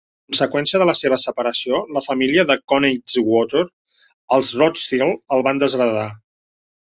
A conseqüència de la seva separació, la família de Koenigswarter, els Rothschild, el van desheretar.